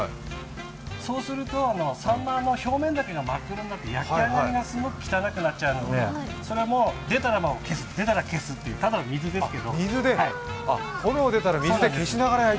そうすると、さんまの表面だけが真っ黒になって、焼き上がりがすごく汚くなっちゃうので、それも出たら消す、出たら消すっていうただの水ですけど。